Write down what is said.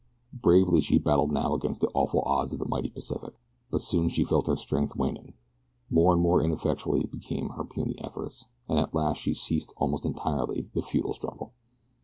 Bravely she battled now against the awful odds of the mighty Pacific, but soon she felt her strength waning. More and more ineffective became her puny efforts, and at last she ceased almost entirely the futile struggle.